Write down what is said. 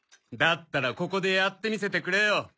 だったらここでやって見せてくれよ